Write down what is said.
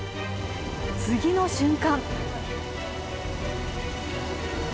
次の瞬間